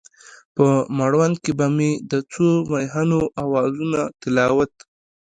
په مړوند کې به مې د څو مهینو اوازونو تلاوت،